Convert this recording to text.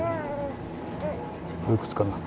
おいくつかな？